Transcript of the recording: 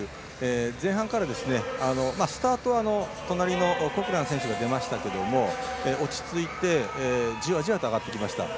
前半から、スタートは隣のコクラン選手が出ましたけど、落ち着いてじわじわと上がってきました。